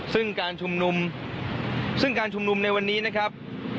ซึ่งการชุมนุมในวันนี้นะครับ